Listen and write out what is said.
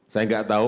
saya enggak tahu